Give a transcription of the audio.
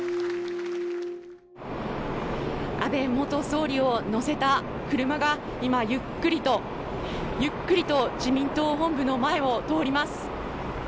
安倍元総理を乗せた車が今、ゆっくりとゆっくりと自民党本部の前を通ります。